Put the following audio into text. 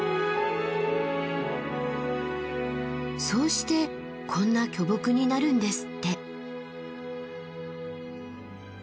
そうしてこんな巨木になるんですって。